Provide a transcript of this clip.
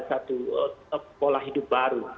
untuk membangun satu pola hidup baru